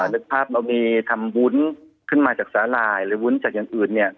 นึกภาพเรามีทำวุ้นขึ้นมาจากสาหร่ายหรือวุ้นจากอย่างอื่น